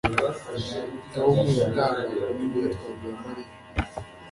tom yatangajwe n'imyitwarire ya mariya